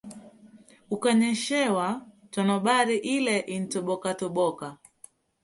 ukanyeshewa, tonobari ile intobokatoboka"